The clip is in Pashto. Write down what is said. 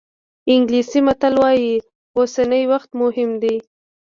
انګلیسي متل وایي اوسنی وخت مهم دی.